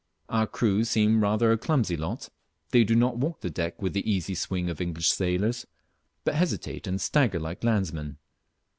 Our crew seem rather a clumsy lot. They do not walk the deck with the easy swing of English sailors, but hesitate and stagger like landsmen.